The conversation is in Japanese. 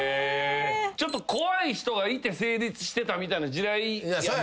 ちょっと怖い人がいて成立してたみたいな時代やったんかな。